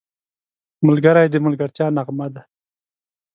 ملګری د ملګرتیا نغمه ده